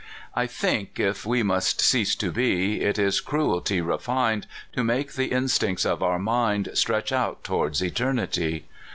I think, if we must cease to be, It is cruelty refined To make the instincts of our mind Stretch out toward eternity.